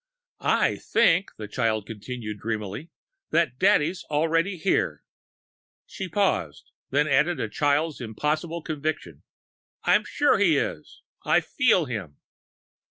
"I think," the child continued dreamily, "that Daddy's already here." She paused, then added with a child's impossible conviction, "I'm sure he is. I feel him."